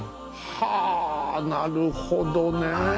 はぁなるほどねえ。